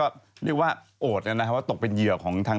โอดว่าตกเป็นเหยื่อของทาง